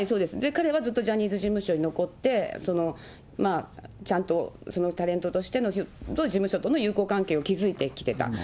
彼はずっとジャニーズ事務所に残って、ちゃんとタレントとしての事務所との友好関係を築いてきてた。